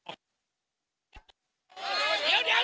เดี๋ยว